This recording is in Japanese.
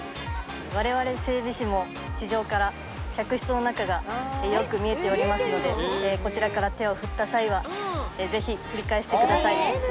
われわれ整備士も地上から客室の中がよく見えておりますので、こちらから手を振った際は、ぜひ振り返してください。